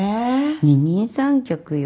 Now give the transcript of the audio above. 二人三脚よ